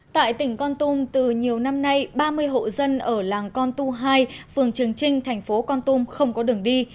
tại tỉnh con tum từ nhiều năm nay ba mươi hộ dân ở làng con tu hai phường trường trinh thành phố con tum không có đường đi